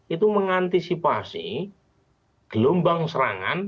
itu mengantisipasi gelombang serangan